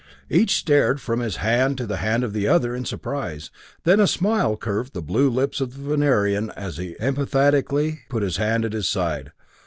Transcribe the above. Each stared from his hand to the hand of the other in surprise, then a smile curved the blue lips of the Venerian as he very emphatically put his hand at his side.